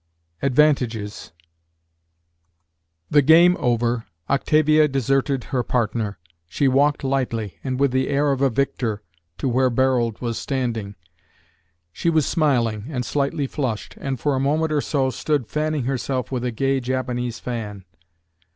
ADVANTAGES. The game over, Octavia deserted her partner. She walked lightly, and with the air of a victor, to where Barold was standing. She was smiling, and slightly flushed, and for a moment or so stood fanning herself with a gay Japanese fan.